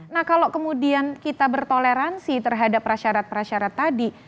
nah kalau kemudian kita bertoleransi terhadap prasyarat prasyarat tadi